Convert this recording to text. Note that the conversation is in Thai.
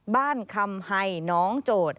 บ้านคำให้น้องโจฯ